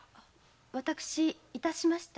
私致しました。